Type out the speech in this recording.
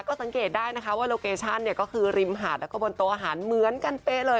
ก็สังเกตได้นะคะว่าโลเกชั่นเนี่ยก็คือริมหาดแล้วก็บนโต๊ะอาหารเหมือนกันเป๊ะเลย